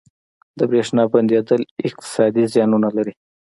• د برېښنا بندیدل اقتصادي زیانونه لري.